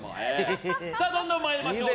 どんどん参りましょう。